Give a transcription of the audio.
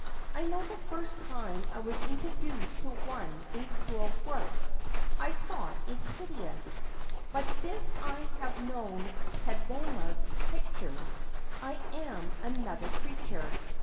' I know the first time I was introduced to one in crewel work I thought it hideous ; but since I have known Tadema's pic tures I am another creature.